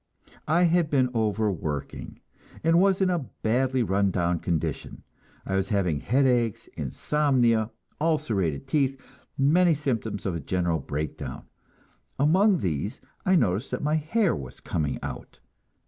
I had been overworking, and was in a badly run down condition. I was having headaches, insomnia, ulcerated teeth, many symptoms of a general breakdown; among these I noticed that my hair was coming out.